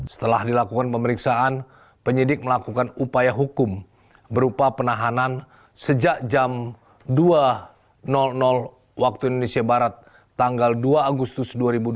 setelah dilakukan pemeriksaan penyidik melakukan upaya hukum berupa penahanan sejak jam dua waktu indonesia barat tanggal dua agustus dua ribu dua puluh